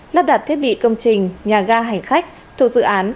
lắp đặt thiết bị công trình nhà ga hành khách sân bay quốc tế long thành